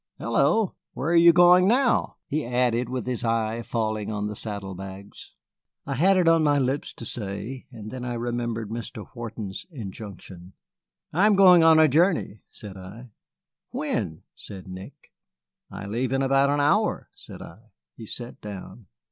"Hullo, where are you going now?" he added, his eye falling on the saddle bags. I had it on my lips to say, and then I remembered Mr. Wharton's injunction. "I'm going on a journey," said I. "When?" said Nick. "I leave in about an hour," said I. He sat down.